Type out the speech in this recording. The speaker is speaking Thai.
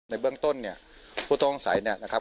ในเบื้องต้นเนี่ยผู้ต้องสัยเนี่ยนะครับ